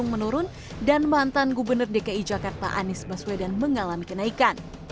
menurun dan mantan gubernur dki jakarta anies baswedan mengalami kenaikan